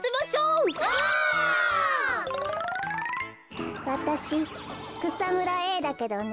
オ！わたしくさむらＡだけどね。